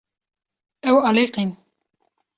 Ew aliqîn.